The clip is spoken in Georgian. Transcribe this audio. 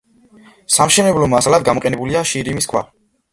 სამშენებლო მასალად გამოყენებულია შირიმის ქვა.